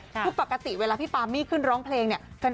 คือปกติเวลาพี่ปามี่ขึ้นร้องเพลงเนี่ย